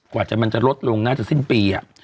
กว่าจะมันจะลดลงนะจะสิ้นปีอ่ะ